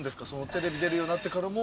テレビ出るようになってからも。